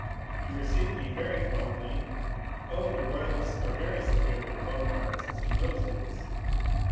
You received me very coldly. Oh, the royalists were very severe with the Bonapartists in those days."